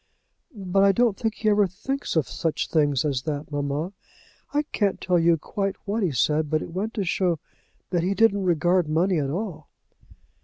"But I don't think he ever thinks of such things as that, mamma. I can't tell you quite what he said, but it went to show that he didn't regard money at all."